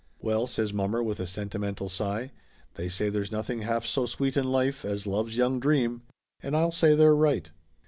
"Well," says mommer with a sentimental sigh, "they say there's nothing half so sweet in life as love's young dream ; and I'll say they're right